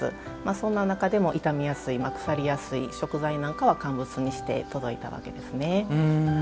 そんな中でも傷みやすい腐りやすい食材なんかは乾物にして届いたわけですね。